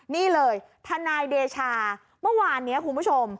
นี่เลยทนายเดชาเมื่อวานนี้คุณผู้ชม